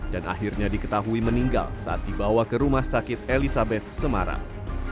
dan akhirnya diketahui meninggal saat dibawa ke rumah sakit elizabeth semarang